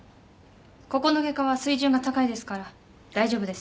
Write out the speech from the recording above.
ここの外科は水準が高いですから大丈夫ですよ。